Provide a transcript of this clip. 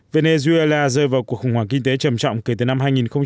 venezuela rơi vào cuộc khủng hoảng kinh tế trầm trọng kể từ năm hai nghìn một mươi